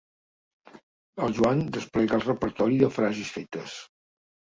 El Joan desplega el repertori de frases fetes.